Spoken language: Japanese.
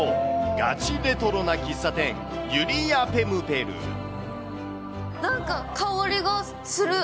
ガチレトロな喫茶店、なんか香りがする。